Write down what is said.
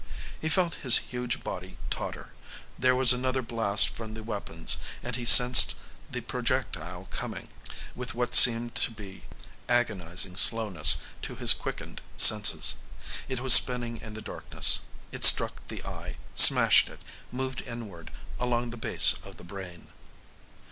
He felt his huge body totter. There was another blast from the weapons and he sensed the projectile coming with what seemed to be agonizing slowness to his quickened senses. It was spinning in the darkness. It struck the eye, smashed it, moved inward, along the base of the brain....